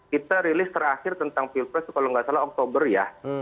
kita rilis terakhir tentang pilpres kalau nggak salah oktober ya